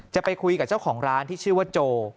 จะไปคุยกับเจ้าของร้านที่ชื่อว่าโจ